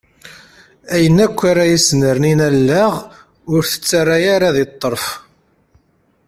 Ayen akk ara isernin allaɣ ur tettara ara deg ṭṭerf.